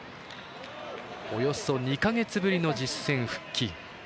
およそ２か月ぶりの実戦復帰。